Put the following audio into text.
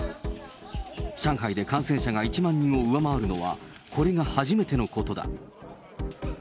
上海で感染者が１万人を上回るのは、これが初めてのことだ。